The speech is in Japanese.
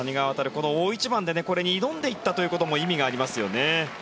この大一番で挑んでいったということも意味がありますよね。